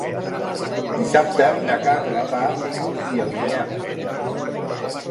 Dissabte na Carla va a Fígols i Alinyà.